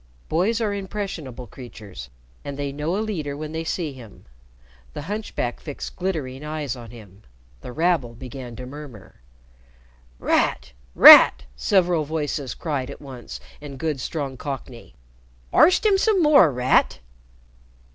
Boys are impressionable creatures, and they know a leader when they see him. The hunchback fixed glittering eyes on him. The rabble began to murmur. "Rat! Rat!" several voices cried at once in good strong Cockney. "Arst 'im some more, Rat!"